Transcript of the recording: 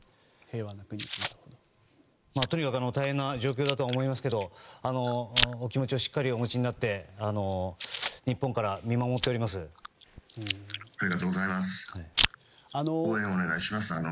とにかく大変な状況だと思いますけどお気持ちをしっかりお持ちになって日本から見守っております。